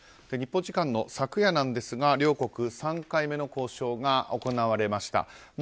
日本時間の昨夜ですが、両国３回目の交渉が行われました。